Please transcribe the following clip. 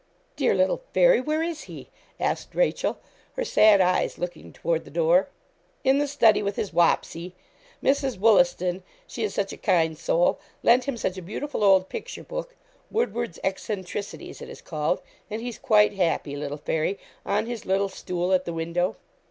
'Dear little Fairy where is he?' asked Rachel, her sad eyes looking toward the door. 'In the study with his Wapsie. Mrs. Woolaston, she is such a kind soul, lent him such a beautiful old picture book "Woodward's Eccentricities" it is called and he's quite happy little Fairy, on his little stool at the window.'